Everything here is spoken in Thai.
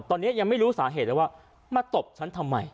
ตอนนี้ยังไม่รู้สาเหตุเลยว่ามาตบฉันทำไม